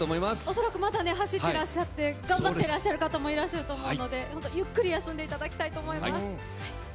恐らくまだ走ってらっしゃって頑張っていらっしゃる方もいると思うのでゆっくり休んでいただきたいと思います。